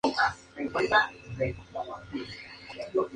Reciben su nombre en honor al antiguo matemático griego Euclides.